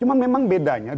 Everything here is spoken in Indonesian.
cuma memang bedanya